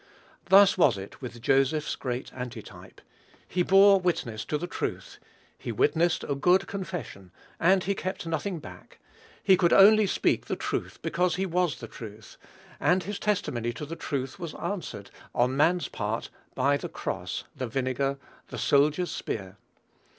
Thus was it with Joseph's great Antitype. He bore witness to the truth he witnessed a good confession he kept back nothing he could only speak the truth because he was the truth, and his testimony to the truth was answered, on man's part, by the cross, the vinegar, the soldier's spear.